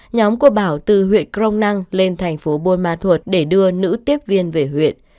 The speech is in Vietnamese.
nhóm của bảo từ huyện crong năng lên thành phố buôn ma thuột để đưa nữ tiếp viên về huyện